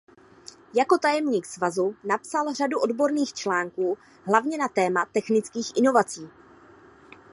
Jako tajemník svazu napsal řadu odborných článků hlavně na téma technických inovací.